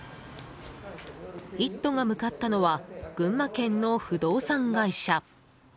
「イット！」が向かったのは群馬県の不動産会社。